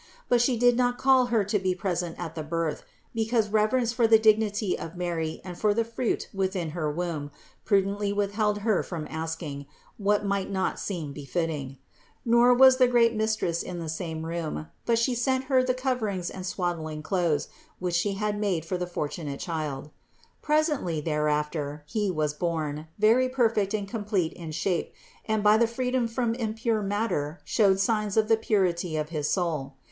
But she did not call Her to be present at the birth, because reverence for the dignity of Mary and for the Fruit within her womb, prudently withheld her from asking, what might not seem befitting. Nor was the great Mistress in the same room, but She sent her the 224 CITY OF GOD coverings and swaddling clothes, which She had made for the fortunate child. Presently thereafter he was born, very perfect and complete in shape, and by the freedom from impure matter showed signs of the purity of his soul.